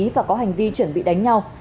và có hành vi chuẩn bị đánh nhau